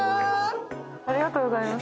ありがとうございます。